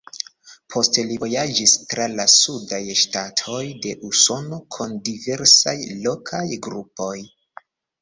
Poste li vojaĝis tra la sudaj ŝtatoj de Usono kun diversaj lokaj grupoj.